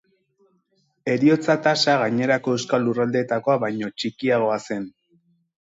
Heriotza-tasa gainerako euskal lurraldeetakoa baino txikiagoa zen